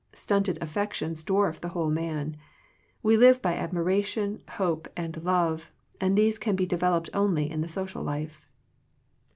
Stunted affections dwarf the whole man. We live by admiration, hope, and love, and these can be devel oped only in the social life.